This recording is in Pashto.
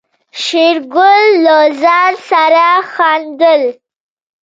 شېرګل له ځان سره خندل.